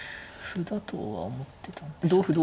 歩だとは思ってたんですけど。